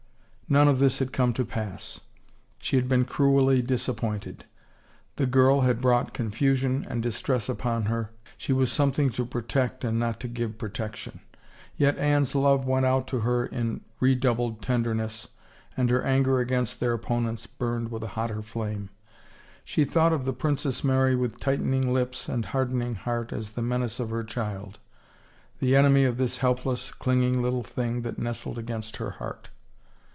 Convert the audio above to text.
None of this had come to pass. She had been cruelly disappointed. The girl had brought confusion and dis tress upon her, she was something to protect and not to give protection, yet Anne's love went out to her in re doubled tenderness and her anger against their opponents burned with a hotter flame. ... She thought of the Princess Mary with tightening lips and hardening heart as the menace of her child, the enemy of this helpless, clinging little thing that nestled against her heart.